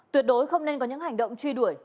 nếu quý vị nên có những hành động truy đuổi